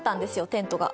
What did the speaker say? テントが。